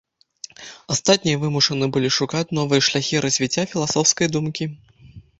Астатнія вымушаны былі шукаць новыя шляхі развіцця філасофскай думкі.